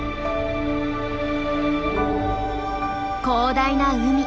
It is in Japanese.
広大な海。